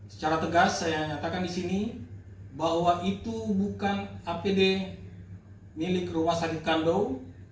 secara tegas saya nyatakan di sini bahwa itu bukan apd milik rumah sakit kandow